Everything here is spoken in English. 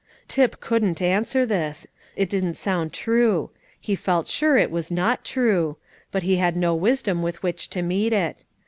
Tip couldn't answer this: it didn't sound true; he felt sure it was not true; but he had no wisdom with which to meet it.